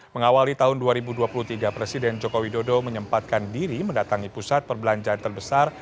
mengawali tahun dua ribu dua puluh tiga presiden joko widodo menyempatkan diri mendatangi pusat perbelanjaan terbesar